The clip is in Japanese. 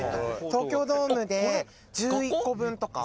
「東京ドームで１１個分とか」